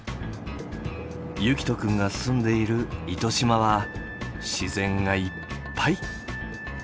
結希斗くんが住んでいる糸島は自然がいっぱい。